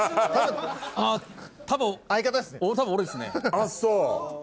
あっそう。